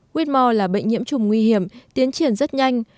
quyết mò là bệnh nhiễm trùng nguy hiểm tiến triển rất nhanh